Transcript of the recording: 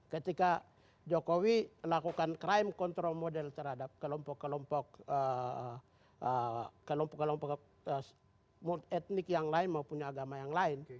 ketika jokowi melakukan crime control model terhadap kelompok kelompok etnik yang lain maupun agama yang lain